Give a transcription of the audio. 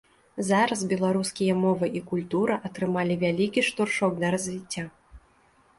Зараз беларускія мова і культура атрымалі вялікі штуршок да развіцця.